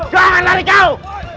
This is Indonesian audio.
jangan lari kau